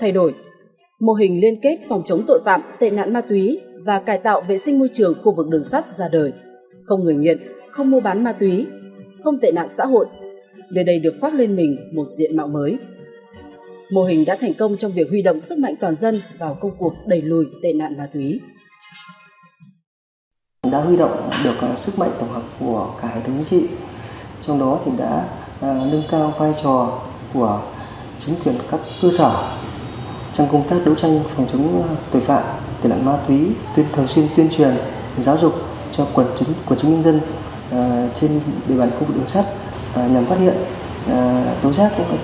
hệ thống chính trị đã thành công trong việc huy động sức mạnh toàn dân vào công cuộc đẩy lùi tệ nạn ma túy